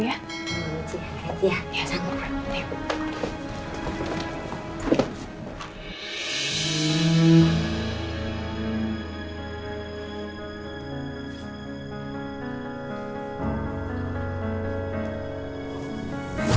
iya berhenti ya